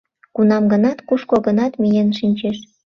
Кунам-гынат кушко-гынат миен шинчеш.